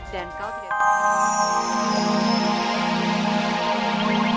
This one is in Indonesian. dan kau tidak bisa mengalahkannya